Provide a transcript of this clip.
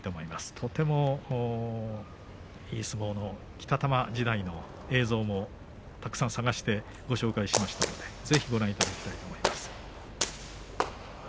とてもいい相撲の北玉時代の映像もたくさん探してご紹介しましたので、ぜひご覧いただきたいと思います。